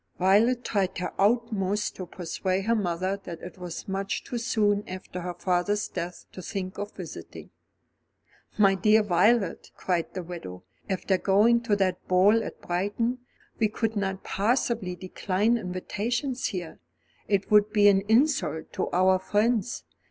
Violet tried her utmost to persuade her mother that it was much too soon after her father's death to think of visiting. "My dear Violet," cried the widow, "after going to that ball at Brighton, we could not possibly decline invitations here. It would be an insult to our friends.